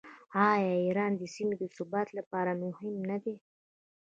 آیا ایران د سیمې د ثبات لپاره مهم نه دی؟